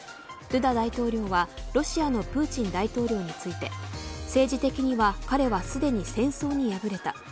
ドゥダ大統領はロシアのプーチン大統領について政治的には彼はすでに戦争に敗れた。